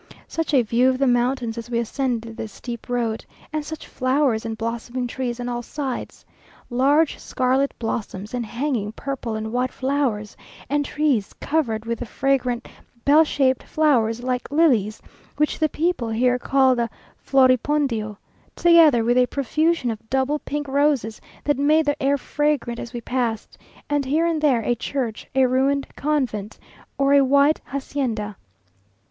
Such a view of the mountains as we ascended the steep road! and such flowers and blossoming trees on all sides! Large scarlet blossoms, and hanging purple and white flowers, and trees covered with fragrant bell shaped flowers like lilies, which the people here call the floripundio, together with a profusion of double pink roses that made the air fragrant as we passed; and here and there a church, a ruined convent, or a white hacienda.